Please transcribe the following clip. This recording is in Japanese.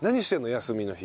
休みの日。